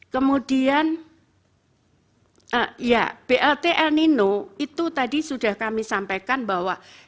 kemudian ya blt el nino itu tadi sudah kami sampaikan bahwa